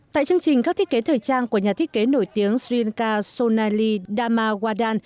tại chương trình các thiết kế thời trang của nhà thiết kế nổi tiếng sri lanka sonali damawadan